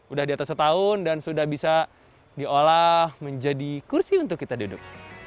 udah di atas setahun dan sudah bisa diolah menjadi kursi untuk kita duduk